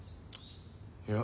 いや。